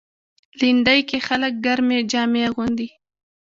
لېندۍ کې خلک ګرمې جامې اغوندي.